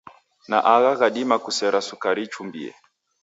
Na agha ghadima kusera sukari ichumbie.